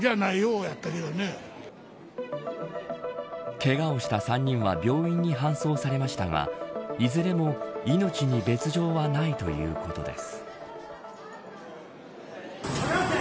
けがをした３人は病院に搬送されましたがいずれも命に別条はないということです。